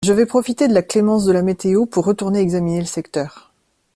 Je vais profiter de la clémence de la météo pour retourner examiner le secteur.